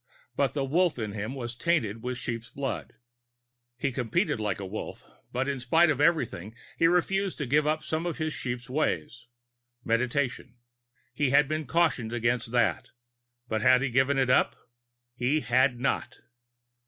But the Wolf in him was tainted with sheep's blood. He competed like a Wolf, but in spite of everything, he refused to give up some of his sheep's ways. Meditation. He had been cautioned against that. But had he given it up? He had not.